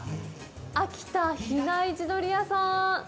秋田比内地鶏やさん。